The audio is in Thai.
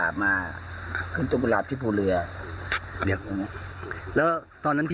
ผมก็นอนจะนอนต่อ